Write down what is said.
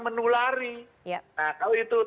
menulari nah kalau itu